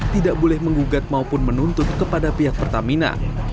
tidak boleh menggugat maupun menuntut kepada pihak pertamina